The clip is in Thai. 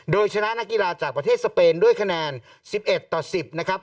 โดยชนะนักกีฬาจากประเทศสเปนด้วยคะแนน๑๑ต่อ๑๐นะครับ